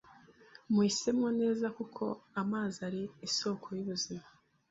Muhisemo neza kuko amazi ari isoko y’ubuzima.